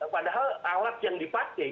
padahal alat yang dipakai